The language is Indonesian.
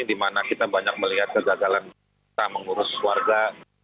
dimana kita banyak melihat kerja jalan kita mengurus warga